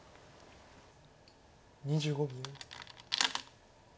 ２５秒。